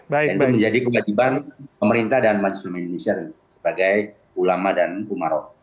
itu menjadi kewajiban pemerintah dan majelis ulama indonesia sebagai ulama dan umaroh